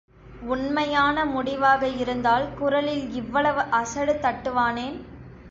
உண்மையான முடிவாக இருந்தால் குரலில் இவ்வளவு அசடு தட்டுவானேன்?